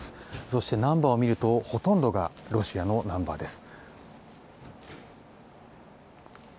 そしてナンバーを見るとほとんどロシアのナンバーです。